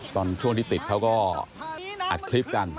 ตอนช่วงที่ติดเขาก็อัดคลิปกัน